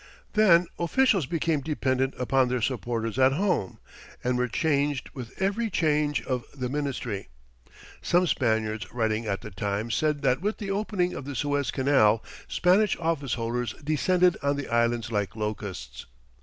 Then officials became dependent upon their supporters at home, and were changed with every change of the ministry. Some Spaniard writing at the time said that with the opening of the Suez Canal Spanish office holders descended on the Islands like locusts.